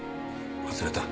忘れた。